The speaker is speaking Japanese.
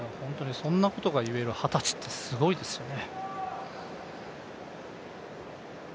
そんなことが言える二十歳ってすごいですよね。